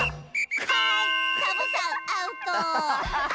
はいサボさんアウト！